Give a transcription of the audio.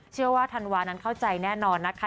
เชื่อว่าธันวานั้นเข้าใจแน่นอนนะคะ